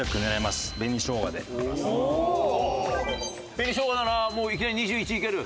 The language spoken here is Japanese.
紅しょうがならもういきなり２１いける？